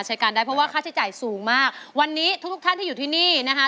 ใช้การได้เพราะว่าค่าใช้จ่ายสูงมากวันนี้ทุกทุกท่านที่อยู่ที่นี่นะคะ